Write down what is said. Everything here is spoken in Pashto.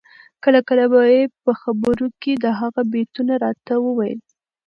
کله کله به یې په خبرو کي د هغه بیتونه راته ویل